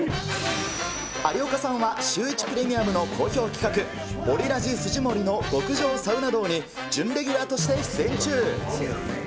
有岡さんはシューイチプレミアムの好評企画、オリラジ藤森の極上サウナ道に準レギュラーとして出演中。